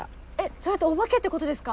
それってお化けってことですか？